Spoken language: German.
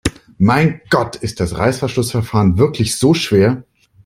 Mein Gott, ist das Reißverschlussverfahren wirklich so schwer?